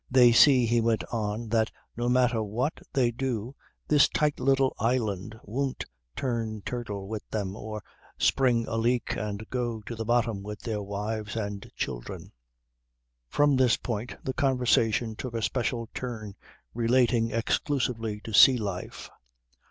"They see," he went on, "that no matter what they do this tight little island won't turn turtle with them or spring a leak and go to the bottom with their wives and children." From this point the conversation took a special turn relating exclusively to sea life.